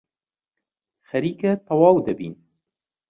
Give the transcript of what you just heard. خەریکە تەواو دەبین.